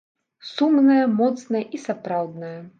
Сумная, моцная і сапраўдная.